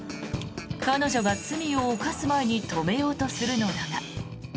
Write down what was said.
彼女が罪を犯す前に止めようとするのだが。